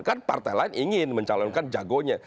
kan partai lain ingin mencalonkan jagonya